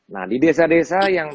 nah di desa desa yang